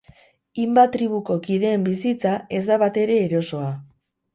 Himba tribuko kideen bizitza ez da batere erosoa.